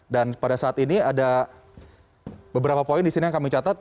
dan pada saat ini ada beberapa poin di sini yang kami catat